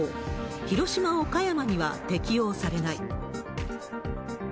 広島、岡山には適用されない。